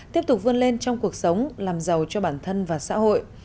tiếp tục vươn lên trong cuộc sống làm giàu cho bản thân và xã hội